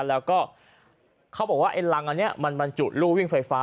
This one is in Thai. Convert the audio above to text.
แล้วก็เขาบอกว่าไอ้รังอันนี้มันบรรจุลู่วิ่งไฟฟ้า